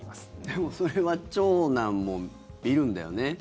でもそれは長男もいるんだよね。